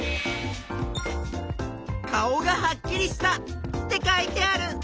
「顔がはっきりした」って書いてある！